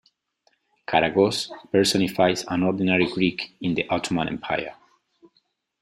Karagoz personifies an ordinary Greek in the Ottoman Empire.